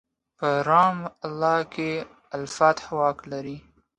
په رام الله کې الفتح واک لري.